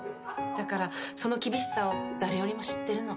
だからその厳しさを誰よりも知ってるの。